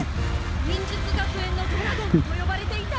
忍術学園のドラゴンとよばれていた。